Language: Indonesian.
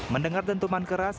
mendengar tentuman keras